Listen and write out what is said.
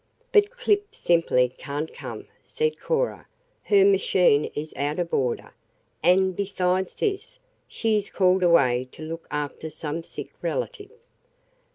"But Clip simply can't come," said Cora. "Her machine is out of order, and, besides this, she is called away to look after some sick relative."